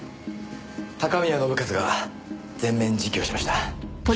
高宮信一が全面自供しました。